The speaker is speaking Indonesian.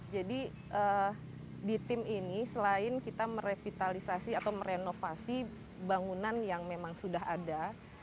jadi di tim ini selain kita merevitalisasi atau merenovasi bangunan yang memang sudah ada